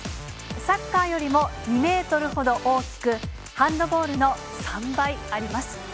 サッカーよりも２メートルほど大きく、ハンドボールの３倍あります。